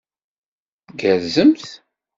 Tgerrzemt?